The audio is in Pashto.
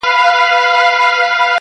قاسم یار جوړ له دې څلور ټکو جمله یمه زه،